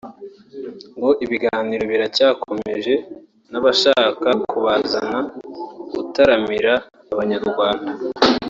ngo ibiganiro biracyakomeje n’abashaka kubazana gutaramira Abanyarwanda